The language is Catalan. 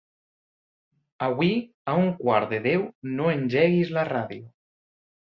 Avui a un quart de deu no engeguis la ràdio.